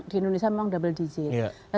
di indonesia memang double digit